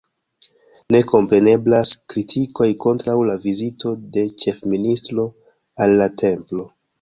Ne kompreneblas kritikoj kontraŭ la vizito de ĉefministro al la templo.